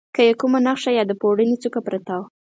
که یې کومه نخښه یا د پوړني څوکه پرته وه.